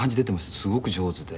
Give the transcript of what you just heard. すごく上手で。